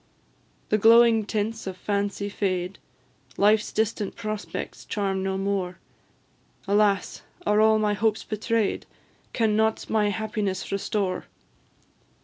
The glowing tints of Fancy fade, Life's distant prospects charm no more; Alas! are all my hopes betray'd? Can nought my happiness restore?